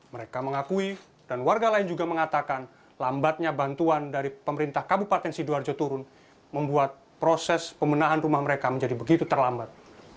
mereka mengakui dan warga lain juga mengatakan lambatnya bantuan dari pemerintah kabupaten sidoarjo turun membuat proses pemenahan rumah mereka menjadi begitu terlambat